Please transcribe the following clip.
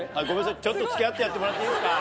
ちょっと付き合ってやってもらっていいですか？